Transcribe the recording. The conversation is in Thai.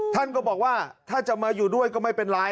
ท่านก็บอกว่าถ้าจะมาอยู่ด้วยก็ไม่เป็นไร